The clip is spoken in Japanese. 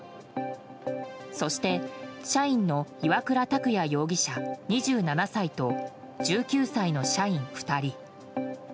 そして、社員の岩倉拓弥容疑者、２７歳と１９歳の社員２人。